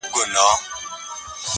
هنر هنر سوم زرګري کومه ښه کومه ,